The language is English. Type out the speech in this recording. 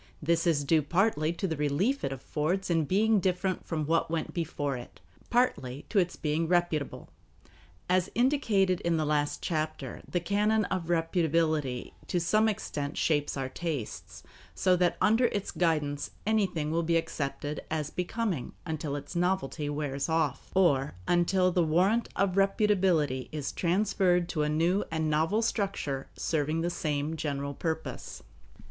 This is due partly to the relief it affords in being different from what went before it, partly to its being reputable. As indicated in the last chapter, the canon of reputability to some extent shapes our tastes, so that under its guidance anything will be accepted as becoming until its novelty wears off, or until the warrant of reputability is transferred to a new and novel structure serving the same general purpose.